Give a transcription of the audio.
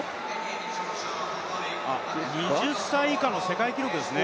２０歳以下の世界記録ですね。